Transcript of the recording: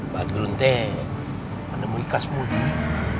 badrun teh menemui kas mudih